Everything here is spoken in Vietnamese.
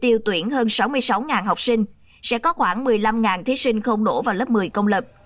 tiêu tuyển hơn sáu mươi sáu học sinh sẽ có khoảng một mươi năm thí sinh không đổ vào lớp một mươi công lập